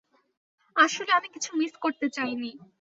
আসলে আমি কিছু মিস করতে চাইনি।